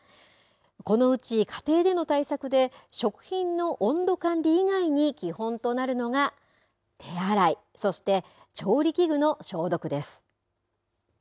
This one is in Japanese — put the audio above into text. このうち家庭での対策で食品の温度管理以外に基本となるのが、手洗いそして調理器具の消毒です。